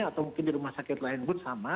atau mungkin di rumah sakit lain pun sama